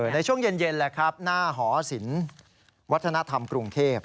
ในช่วงเย็นแหละครับหน้าหอศิลปวัฒนธรรมกรุงเทพ